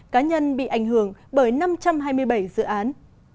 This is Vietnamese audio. cá nhân bị ảnh hưởng bởi năm trăm hai mươi bảy dự án